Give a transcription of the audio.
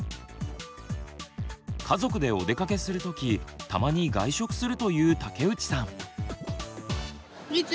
家族でおでかけする時たまに外食するという武内さん。